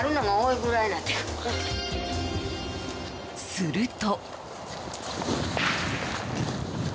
すると。